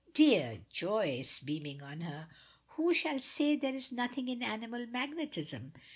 "Dear Joyce!" beaming on her, "who shall say there is nothing in animal magnetism.